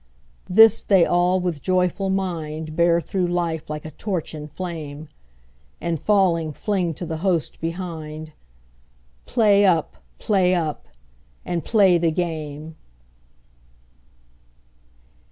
This they all with a joyful mind Bear through life like a torch in flame, And falling fling to the host behind "Play up! play up! and play the game!"